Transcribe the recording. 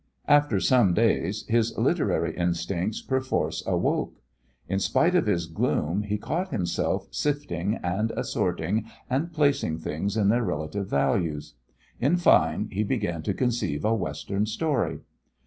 After some days his literary instincts perforce awoke. In spite of his gloom, he caught himself sifting and assorting and placing things in their relative values. In fine, he began to conceive a Western story.